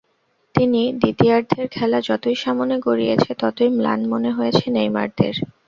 কিন্তু দ্বিতীয়ার্ধের খেলা যতই সামনে গড়িয়েছে, ততই ম্লান মনে হয়েছে নেইমারদের।